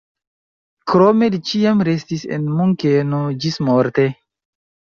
Krome li ĉiam restis en Munkeno ĝismorte.